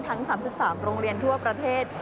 ทั้ง๓๓โรงเรียนทั่วประเทศ